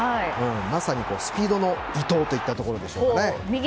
まさにスピードの伊東といったところでしょうね